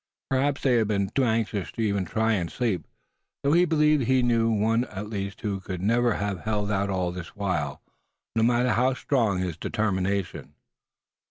Perhaps they had been too anxious to even try and sleep; though he believed he knew of one at least who could never have held out all this while, no matter how strong his determination.